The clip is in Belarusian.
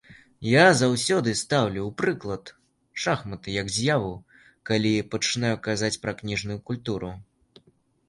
Я заўсёды стаўлю ў прыклад шахматы як з'яву, калі пачынаю казаць пра кніжную культуру.